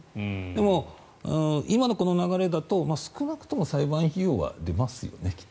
でも、今のこの流れだと少なくとも裁判費用は出ますよね？